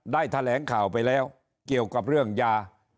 แถลงข่าวไปแล้วเกี่ยวกับเรื่องยา